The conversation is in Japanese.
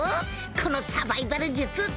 このサバイバル術！